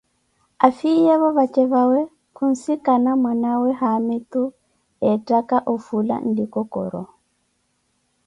Afiyeevo vaje vawe khunsikana mwanawe haamitu eattaka ofula nlikokoro.